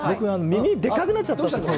耳でっかくなっちゃったみた